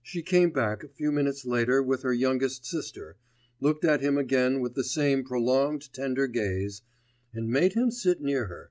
She came back a few minutes later with her youngest sister, looked at him again with the same prolonged tender gaze, and made him sit near her....